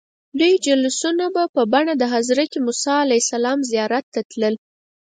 دوی جلوسونه په بڼه د حضرت موسى علیه السلام زیارت ته راتلل.